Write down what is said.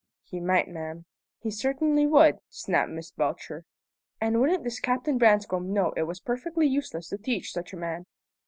"He might, ma'am." "He certainly would," snapped Miss Belcher. "And wouldn't this Captain Branscome know it was perfectly useless to teach such a man?"